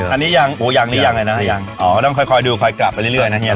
อันนี้ยังโอ้ยังหรือยังเลยนะยังอ๋อต้องค่อยคอยดูคอยกลับไปเรื่อยนะเฮี